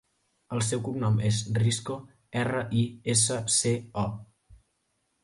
El seu cognom és Risco: erra, i, essa, ce, o.